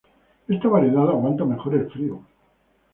Esta variedad aguanta mejor el frío.